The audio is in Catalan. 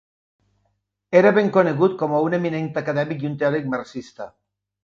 Era ben conegut com a un eminent acadèmic i un teòric marxista.